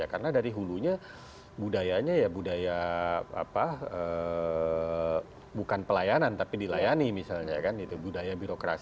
karena dari hulunya budayanya ya budaya